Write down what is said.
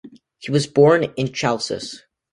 He was born in Chalcis.